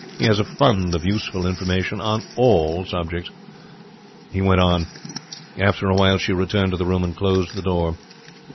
He has a fund of useful information on all subjects.' He went on. After a while she returned to the room and closed the door.